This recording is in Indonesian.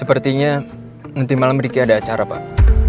sepertinya nanti malam riki ada acara pak